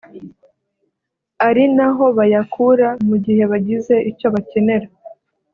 ari naho bayakura mu gihe bagize icyo bakenera